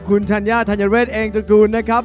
คุณธัญญาธัญญาเวทย์เองจดกูลนะครับ